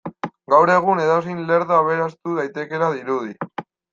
Gaur egun edozein lerdo aberastu daitekeela dirudi.